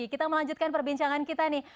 kita melanjutkan perbincangan kita nih